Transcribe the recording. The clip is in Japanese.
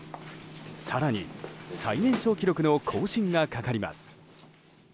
更に、最年少記録の更新がかかります。